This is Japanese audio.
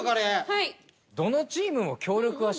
はい。